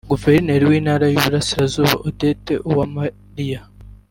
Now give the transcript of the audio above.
Guverineri w’Intara y’Iburasirazuba Odette Uwamariya